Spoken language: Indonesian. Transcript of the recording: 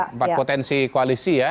empat potensi koalisi ya